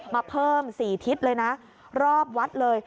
มาเพิ่ม๔ทิศเลยนะรอบวัดเลย